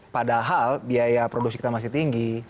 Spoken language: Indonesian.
padahal biaya produksi kita masih tinggi